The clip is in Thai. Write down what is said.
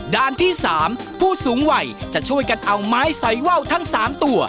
ด้านที่๓ผู้สูงวัยจะช่วยกันเอาไม้สอยว่าวทั้ง๓ตัว